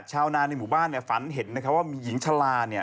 ชาวนาในหมู่บ้านฝันเห็นว่ามีหญิงชะลา